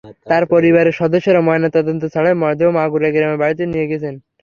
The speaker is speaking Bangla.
তাঁর পরিবারের সদস্যরা ময়নাতদন্ত ছাড়াই মরদেহ মাগুরায় গ্রামের বাড়িতে নিয়ে গেছেন।